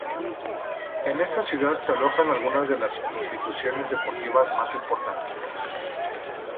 En esta ciudad se alojan algunas de las instituciones deportivas más importantes del país.